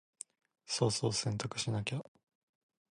そろそろ洗濯しなきゃな。